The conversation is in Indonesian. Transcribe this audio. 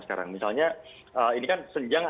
sekarang misalnya ini kan senjang